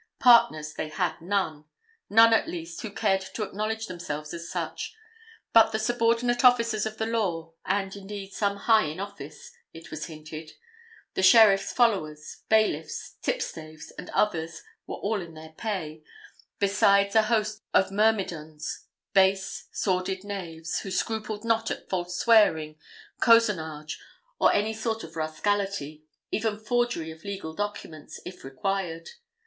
Partners they had none; none, at least, who cared to acknowledge themselves as such. But the subordinate officers of the law (and indeed some high in office, it was hinted), the sheriff's followers, bailiffs, tipstaves, and others, were all in their pay; besides a host of myrmidons, base, sordid knaves, who scrupled not at false swearing, cozenage, or any sort of rascality, even forgery of legal documents, if required.